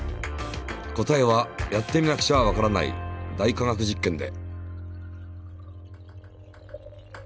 答えはやってみなくちゃわからない「大科学実験」で。